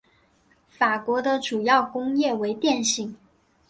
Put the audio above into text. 法国的主要工业为电信。